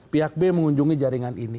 pihak b mengunjungi jaringan ini